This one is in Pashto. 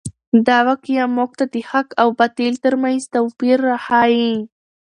دا واقعه موږ ته د حق او باطل تر منځ توپیر راښیي.